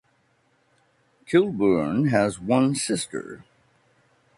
Kilbourn has one sister.